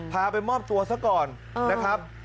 พาไปมอบตัวซะก่อนนะครับ